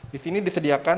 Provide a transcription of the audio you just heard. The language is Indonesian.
di sini disediakan